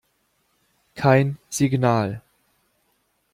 Kein Signal.